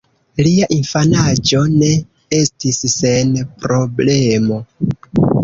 Lia infanaĝo ne estis sen problemo.